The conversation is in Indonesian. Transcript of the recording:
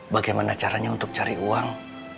bagaimana caranya untuk cari uang